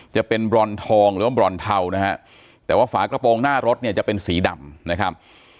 จะเป็นบรอนทองหรือว่าบรอนเทานะฮะแต่ว่าฝากระโปรงหน้ารถเนี่ยจะเป็นสีดำนะครับ